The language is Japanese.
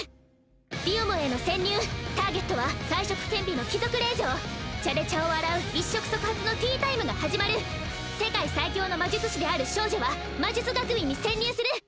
ディオムへの潜入ターゲットは才色兼備の貴族令嬢茶で茶を洗う一触即発のティータイムが始まる「世界最強の魔術師である少女は、魔術学院に潜入する」